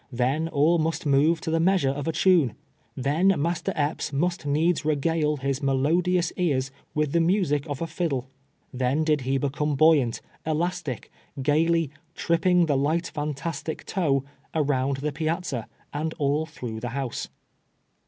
Then all must move to the measure of a tunc. Then Mas ter Epps must needs regale his melodious ears "with the music of a fiddle. Then did he become buoyant, elastic, gaily " tripping the light fantastic toe" around the piazza and all through the house.